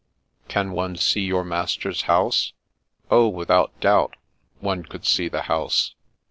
? Can one see your master's house? Oh, without doubt, one could see the house.